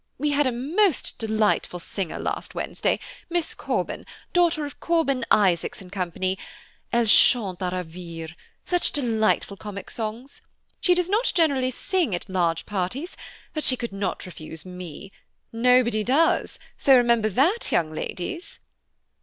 We had a most delightful singer last Wednesday, Miss Corban, daughter of Corban, Isaacs & Co.–elle chante à ravir, such delightful comic songs. She does not sing generally at large parties, but she could not refuse me –nobody does, so remember that, young ladies."